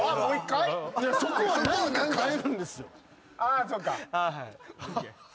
あそっか。